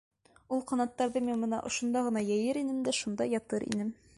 Ул ҡанаттарҙы мин бына ошонда ғына йәйер инем дә шунда ятыр инем.